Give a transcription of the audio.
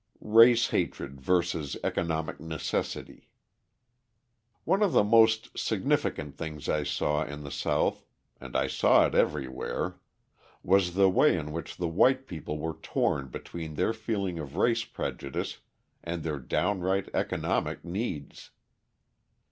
Race Hatred Versus Economic Necessity One of the most significant things I saw in the South and I saw it everywhere was the way in which the white people were torn between their feeling of race prejudice and their downright economic needs.